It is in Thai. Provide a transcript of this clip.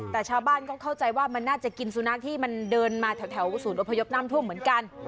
แต่ชาวบ้านก็เข้าใจว่ามันน่าจะกินสุนัขที่มันเดินมาแถวศูนย์อพยพน้ำท่วมเหมือนกัน